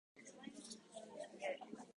歳月、月日があっという間に過ぎてゆくこと。